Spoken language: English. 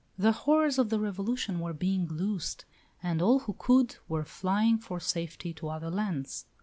The horrors of the Revolution were being loosed, and all who could were flying for safety to other lands.